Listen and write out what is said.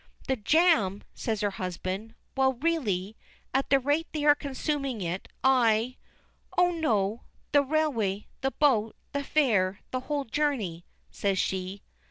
"The jam!" says her husband. "Well, really, at the rate they are consuming it I " "Oh, no. The railway the boat the fare the whole journey," says she.